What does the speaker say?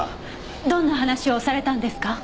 どんな話をされたんですか？